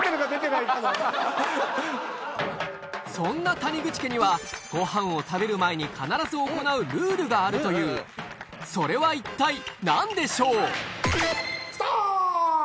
そんな谷口家にはごはんを食べる前に必ず行うルールがあるというそれは一体何でしょう？